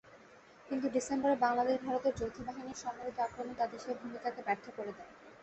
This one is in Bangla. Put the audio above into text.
কিন্তু ডিসেম্বরে বাংলাদেশ-ভারতের যৌথবাহিনীর সম্মিলিত আক্রমণ তাঁদের সেই ভূমিকাকে ব্যর্থ করে দেয়।